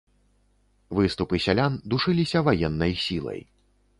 Выступы сялян душыліся ваеннай сілай.